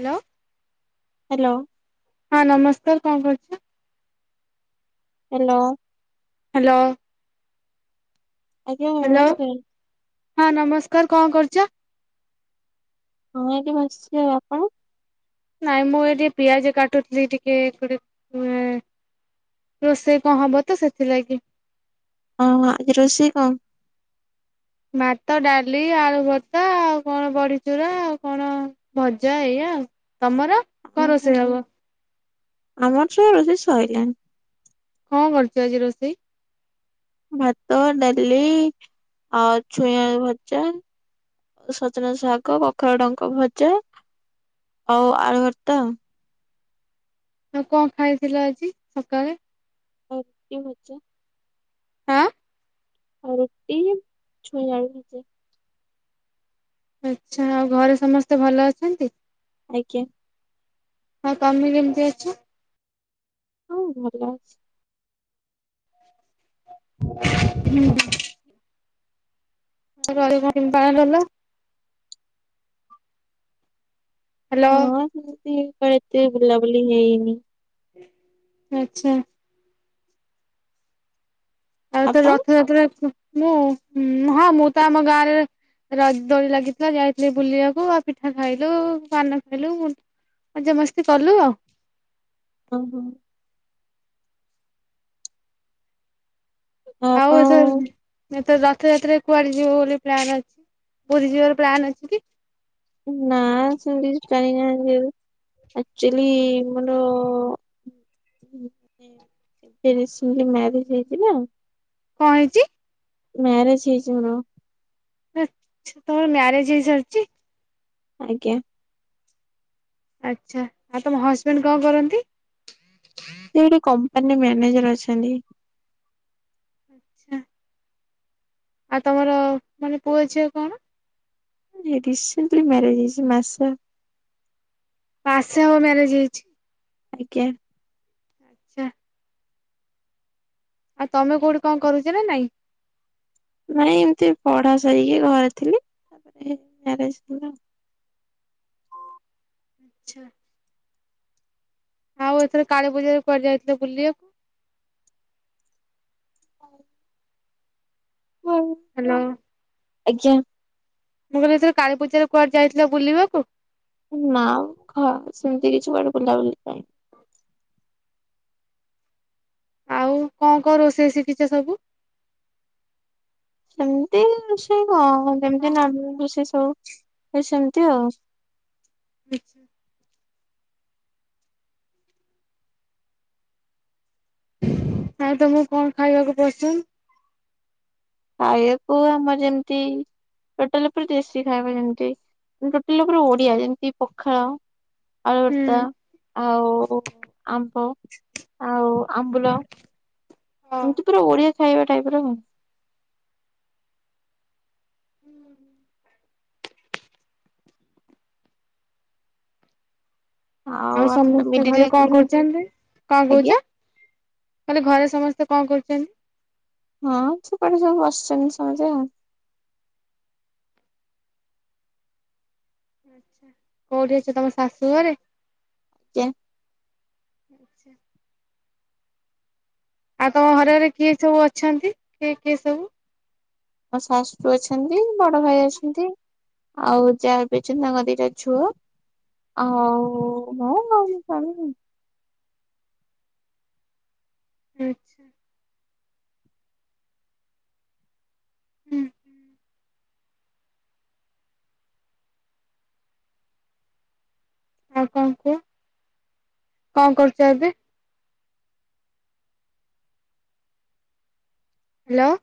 Hello. Hello. ହଁ ନମସ୍କାର କଣ କରୁଚ? ହ୍ୟାଲୋ। ହାଲୋ ଆଜ୍ଞା ହ୍ୟାଲୋ ନମସ୍କାର। ହଁ ନମସ୍କାର କଣ କରୁଚ? ମୁଁ ଏଇଟି ବସଚି। ଆଉ ଆପଣ? ନାଇଁ ମୁଁ ଏ ଟିକେ ପିଆଜ କାଟୁଥିଲି ଟିକେ ଗୋଟେ [unintelligible] ରୋଷେଇ କଣ ହବ ତ ସେଥିଲାଗି। ହଁ ଅ ଆଜି ରୋଷେଇ କଣ? ଭାତ, ଡାଲି, ଆଳୁ ଭର୍ତା ଆଉ କଣ ବଡିଚୂୁରା ଆଉ କଣ ଅ ଭଜା ଏଇଆ। ତମର? କଣ ରୋଷେଇ ହବ? ଆମର ଛୁ ରୋଷେଇ ସଇଲାଣି। କଁ କରଚୁ ଆଜି ରୋଷେଇ? ଭାତ, ଡାଲି ଆଉ ଛୁଇଁ ଆଳୁ ଭଜା। ସଜନା ଶାଗ, କଖାରୁ ଡଙ୍କ ଭଜା ଆଉ ଆଳୁ ଭର୍ତା। ଆଉ କଁ ଖାଇଥିଲ ଆଜି ସକାଳେ। ଆଉ କେଉଁ ଭଜା ଆଁ ଆଉ ରୁଟି ଛୁଇଁ ଆଳୁ ଭଜା। ଆଚ୍ଛା ଆଉ ଘରେ ସମସ୍ତେ ଭଲ ଅଛନ୍ତି। ଆଜ୍ଞା। ହଁ ତମେ କେମତି ଅଛ? ହଁ ଭଲ ଅଛି। ହୁଁ। [inaudible] କଲ। ହଁ ସେମତି କଣ ଏତେ ବୁଲାବୁଲି ହେଇନି। ଆଚ୍ଛା। ଏତେ ଆପଣ? ଯତ୍ନ ରେ ପୁରା ମୁଁ ହଁ ମୁଁ ତ ଆମ ଗାଁରେ ରଜ୍ ଦୋଳି ଲାଗିଥିଲା ଯାଇଥିଲି ବୁଲିବାକୁ ଆଉ ପିଠା ଖାଇଲୁ ପାନ ଖାଇଲୁ। ମଜା ମସ୍ତି କଲୁ ଆଉ। ଓ ହୋ। ଆଉ ହଁପା। ଏଥର ଏଥର ରଥଯାତ୍ରାରେ କୁଆଡେ ଯିବ ବୋଲି ପ୍ଲାନ୍ ଅଛି ପୁରୀ ଯିବାର ପ୍ଲାନ୍ ଅଛି କି? ନା ସେମିତି କିଛି ପ୍ଳାନିଙ୍ଗ ନାହିଁ। [unintelligible] ଆକ୍ଚୁଲି ମୋର ମତେ। ତିରିଶ ରେ ମ୍ୟାରେଜ ହେଇଯିବ। କଣ ହେଇଛି? ମ୍ୟାରେଜ୍ ହେଇଚି ମୋର। ଆଚ୍ଛା ତମର ମ୍ୟାରେଜ ହେଇସାରିଛି? ଆଜ୍ଞା। ଆଚ୍ଛା ଆଉ ତମ ହଜବେଣ୍ଡ କଣ କରନ୍ତି? ସିଏ ଏଇଠି କମ୍ପାନୀରେ ମ୍ୟାନେଜର ଅଛନ୍ତି। ଆଚ୍ଛା। ଆଉ ତମର ମାନେ ପୁଅ ଝିଅ କଣ? ରି-ରିସେଣ୍ଟଲି ମ୍ୟାରେଜ ହେଇଛି ମାସେ। ମାସେ ହବ ମ୍ୟାରେଜ ହେଇଛି। ଆଜ୍ଞା। ଆଚ୍ଛା। ଆଉ ତମେ କଉଠି କଣ କରୁଛ ନା ନାଇଁ? ନାଇ ଏମିତି ପଢା ସାରିକି ଘରେ ଥିଲି ତାପରେ ମ୍ୟାରେଜ ହେଲା। ଆଚ୍ଛା। ଆଉ ଏଥର କାଳୀ ପୂଜାରେ କୁଆଡେ ଯାଇଥିଲେ ବୁଲିବାକୁ? ଆଉ। ହାଲୋ ମୁଁ ଆଜ୍ଞା କହିଲି ଏଥର କାଳୀ ପୂଜାରେ କୁଆଡେ ଯାଇଥିଲ ବୁଲିବାକୁ? ନା ଖ ସେମିତି କିଛି କୁଆଡେ ବୁଲାବୁଲି ପାଇଁ। ଆଉ କଣ କଣ ରୋଷେଇ ଶିଖିଛ ସବୁ? ସେମିତି ରେଷେଇ କଣ ଯେମିତି ନର୍ମାଲ ରୋଷେଇ ସବୁ ସେମିତି ଆଉ। ଆଚ୍ଛା। ଆଉ ତମକୁ କଣ ଖାଇବାକୁ ପସନ୍ଦ? ଖାଇବାକୁ ଆମର ଯେମିତି। ଟୋଟାଲ ଉପରେ ଦେଶୀ ଖାଇବା ଯେମିତି ଟୋଟାଲ ଉପରେ ଓଡିଆ ଯେମିତି ପଖାଳ। ଆଳୁଭର୍ତ୍ତା ହୁଁ। ଆଉ ଆମ୍ବ ଆଉ ଆମ୍ବୁଲ। ଏମିତି ପୁରା ଓଡିଆ ଖାଇବା ଟାଇପ୍ ର ଆଉ। ଆଉ ସମସ୍ତେ ଘରେ କଣ କରୁଛନ୍ତି କଣ ଆଜ୍ଞା କହୁଛ? ମାନେ ଘରେ ସମସ୍ତେ କଣ କରୁଛନ୍ତି? ହଁ ସେପଟେ ସବୁ ବସିଛନ୍ତି ସମସ୍ତେ ଆଉ। ଆଚ୍ଛା। କୋଉଠି ଅଛ ତମ ଶାଶୁ ଘରେ? ଚ୍ୟାଂ। ଆଚ୍ଛା। ଆଉ ତମ ଘରରେ କିଏ ସବୁ ଅଛନ୍ତି କିଏ କିଏ ସବୁ? ମୋ ଶାଶୁ ଅଛନ୍ତି ବଡ ଭାଇ ଅଛନ୍ତି। ଆଉ ଯା ବି ଅଛନ୍ତି ତାଙ୍କର ଦିଟା ଝୁଅ। ଆଉ ମୁଁ ମୋ ସ୍ବାମୀ। ଆଚ୍ଛା। ହୁଁ ହୁଁ। ଆଉ କଣ କୁହ କଣ କରୁଛ ଏବେ? ହାଲୋ।